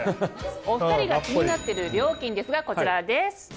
お２人が気になってる料金ですがこちらです。